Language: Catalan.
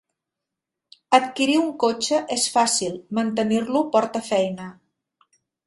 Adquirir un cotxe és fàcil, mantenir-lo porta feina.